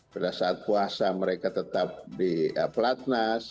pada saat puasa mereka tetap di platnas